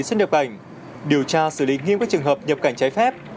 xuất nhập cảnh điều tra xử lý nghiêm các trường hợp nhập cảnh trái phép